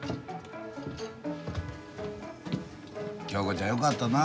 恭子ちゃんよかったな。